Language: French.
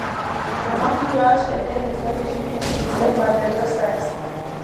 Le maquillage est dès les origines utilisé par les deux sexes.